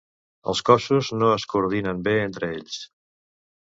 Els cossos no es coordinen bé entre ells.